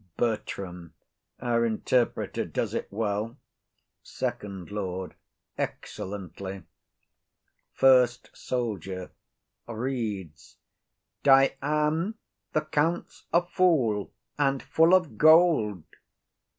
BERTRAM. Our interpreter does it well. FIRST LORD. Excellently. FIRST SOLDIER. [Reads.] _Dian, the Count's a fool, and full of gold.